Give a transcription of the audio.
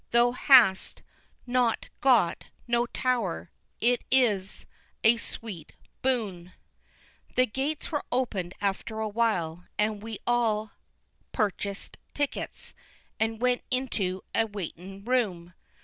thou hast not got no Tower! It's a sweet Boon." The gates were opened after a while, and we all purchist tickets, and went into a waitin' room.